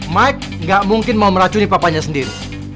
mike gak mungkin mau meracuni papanya sendiri